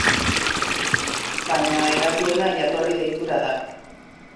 Baina hedatuena jatorri deitura da.